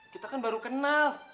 kita kan baru kenal